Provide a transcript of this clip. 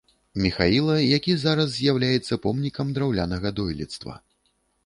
Міхаіла, які зараз з'яўляецца помнікам драўлянага дойлідства.